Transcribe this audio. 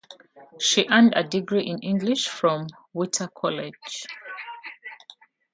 She earned a degree in English from Whittier College.